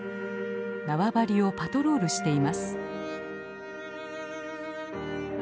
縄張りをパトロールしています。